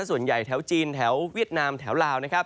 ส่วนใหญ่แถวจีนแถวเวียดนามแถวลาวนะครับ